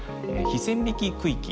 非線引き区域。